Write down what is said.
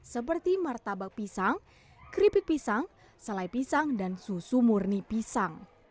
seperti martabak pisang keripik pisang selai pisang dan susu murni pisang